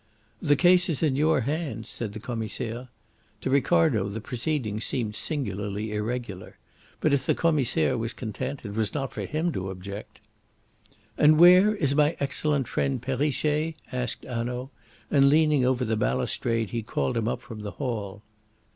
"The case is in your hands," said the Commissaire. To Ricardo the proceedings seemed singularly irregular. But if the Commissaire was content, it was not for him to object. "And where is my excellent friend Perrichet?" asked Hanaud; and leaning over the balustrade he called him up from the hall.